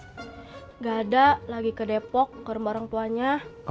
tidak ada lagi ke depok ke rumah orang tuanya